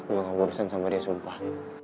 gue gak mau bersen sama dia sumpah